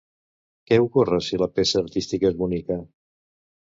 Què ocorre si la peça artística és bonica?